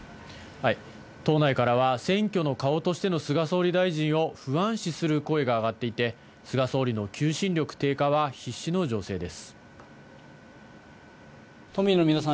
党内からは選挙の顔としての菅総理大臣を不安視する声が上がっていって、菅総理の求心力低下は必至の情勢です。